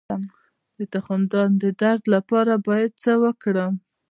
د تخمدان د درد لپاره باید څه وکړم؟